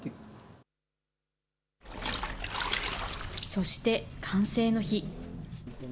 そして完成の日。